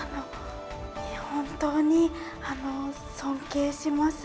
本当に尊敬します。